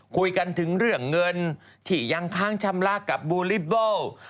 คุยกันถึงเรื่องเงินที่ยังค้างชำระกับบูลิบเบิล